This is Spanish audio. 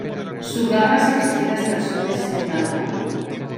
Su gama se extiende hasta el sur de Sri Lanka.